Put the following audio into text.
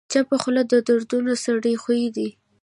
چپه خوله، د دروند سړي خوی دی.